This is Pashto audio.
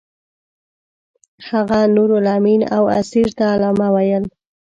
هغه نورالامین او اسیر ته علامه ویل.